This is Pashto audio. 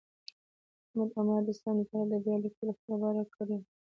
محمد عماره د اسلام د تاریخ د بیا لیکلو خبره کړې وه.